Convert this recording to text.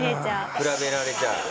比べられちゃう。